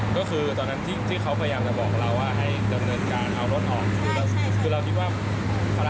ก็คือตอนนั้นที่เขาพยายามจะบอกเราว่าให้เติมเนินการเอารถออกคือเราคิดว่าพอละครับปิดแล้วเราไม่ได้พูดอะไร